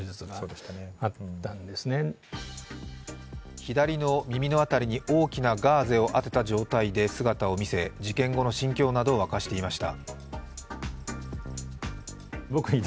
左の耳の辺りに大きなガーゼを当てた状態で姿を見せ、事件後の心境などを明かしていました。